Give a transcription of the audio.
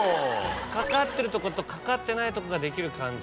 かかってるとことかかってないとこができる感じ。